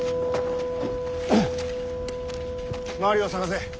周りを探せ。